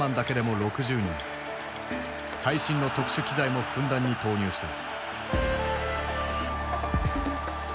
最新の特殊機材もふんだんに投入した。